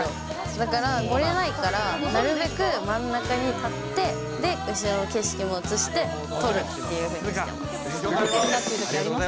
だから、盛れないから、なるべく真ん中に立って、後ろの景色も映して撮るっていうふうにありがとうございます。